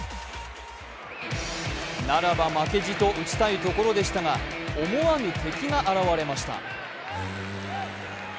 ならば負けじと打ちたいところでしたが思わぬ敵が現れました。